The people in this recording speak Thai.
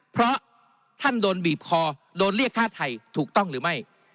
เพราะท่านโดนบีบคอโดนเรียกฆ่าไทยถูกต้องหรือไม่